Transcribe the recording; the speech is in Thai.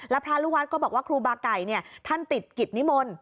แล้วพระลูกวัดก็บอกว่าครูบาไก่ท่านติดกิจนิมนต์